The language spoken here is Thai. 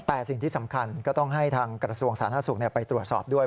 แต่สิ่งที่สำคัญก็ต้องให้ทางกระทรวงสาธารณสุขไปตรวจสอบด้วย